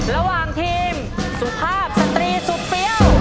ระหว่างทีมสุภาพสตรีสุดเฟี้ยว